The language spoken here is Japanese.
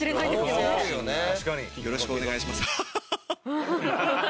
よろしくお願いします。